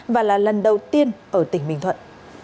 và là lần đầu tiên ở tỉnh bình thuận